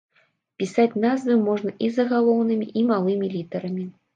Пісаць назвы можна і загалоўнымі, і малымі літарамі.